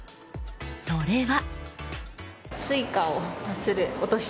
それは。